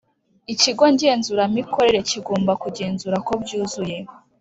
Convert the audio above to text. Ikigo ngenzuramikorere kigomba kungenzura ko byuzuye